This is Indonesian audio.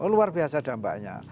luar biasa dampaknya